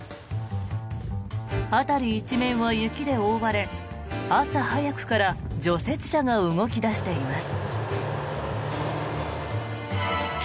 辺り一面は雪で覆われ朝早くから除雪車が動き出しています。